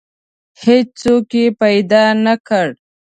هیڅوک یې پیدا نه کړ.